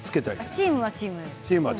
チームはチームで。